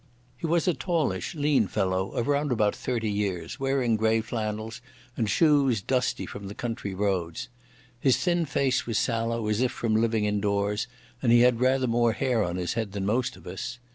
He was a tallish, lean fellow of round about thirty years, wearing grey flannels and shoes dusty from the country roads. His thin face was sallow as if from living indoors, and he had rather more hair on his head than most of us.